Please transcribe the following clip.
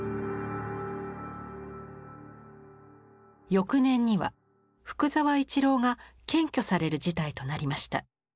翌年には福沢一郎が検挙される事態となりました。